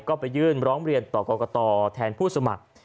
ก็ไปยื่นร้องเรียนต่อกรกตแทนผู้สมัคร